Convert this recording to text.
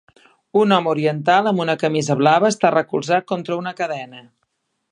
Un home oriental amb una camisa blava està recolzat contra una cadena.